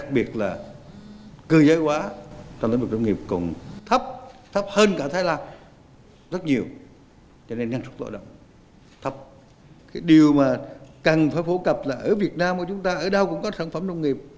và cần phải phổ cập là ở việt nam của chúng ta ở đâu cũng có sản phẩm nông nghiệp